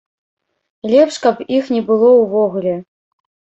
Лепш каб іх не было ўвогуле.